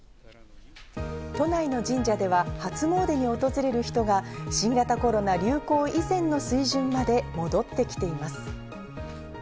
都内の神社では、初詣に訪れる人が新型コロナ流行以前の水準まで戻ってきています。